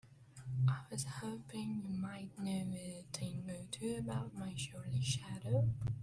I was hoping you might know a thing or two about my surly shadow?